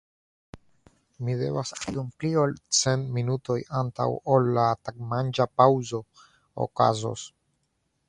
Mi devas atendi dum pli ol cent minutoj antaŭ ol la tagmanĝa paŭzo okazos.